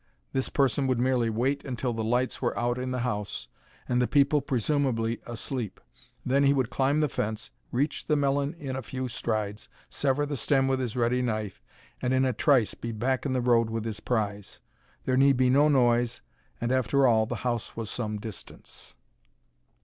This person would merely wait until the lights were out in the house, and the people presumably asleep. Then he would climb the fence, reach the melon in a few strides, sever the stem with his ready knife, and in a trice be back in the road with his prize. There need be no noise, and, after all, the house was some distance.